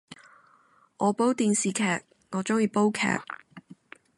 我煲電視劇，我鍾意煲劇